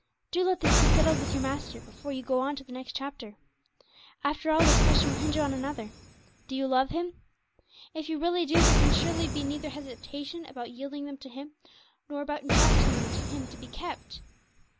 Do let this be settled with your Master before you go on to the next chapter. After all, this question will hinge on another, Do you love Him? If you really do, there can surely be neither hesitation about yielding them to Him, nor about entrusting them to Him to be kept.